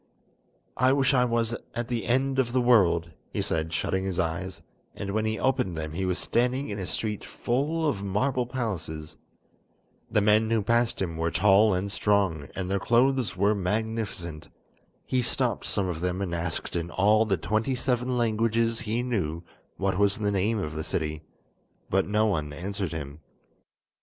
"I wish I was at the end of the world," he said, shutting his eyes, and when he opened them he was standing in a street full of marble palaces. The men who passed him were tall and strong, and their clothes were magnificent. He stopped some of them and asked in all the twenty seven languages he knew what was the name of the city, but no one answered him.